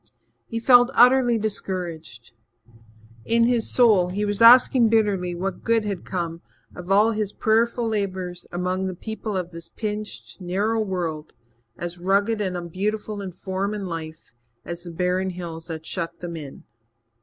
He felt utterly discouraged. In his soul he was asking bitterly what good had come of all his prayerful labours among the people of this pinched, narrow world, as rugged and unbeautiful in form and life as the barren hills that shut them in.